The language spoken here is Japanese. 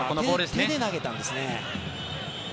手で投げたんですね。